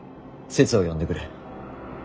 せつを呼んでくれ。